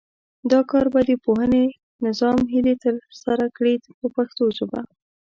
دا کار به د پوهنې نظام هیلې ترسره کړي په پښتو ژبه.